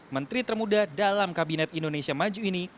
menteri termuda dalam kabinet indonesia maju ini